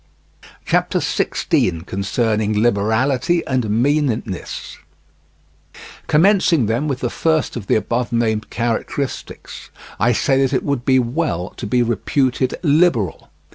CHAPTER XVI. CONCERNING LIBERALITY AND MEANNESS Commencing then with the first of the above named characteristics, I say that it would be well to be reputed liberal.